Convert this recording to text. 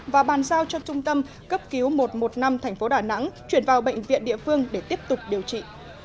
và bàn giao cho trung tâm cấp cứu một trăm một mươi năm tp đà nẵng chuyển vào bệnh viện địa phương để tiếp tục điều trị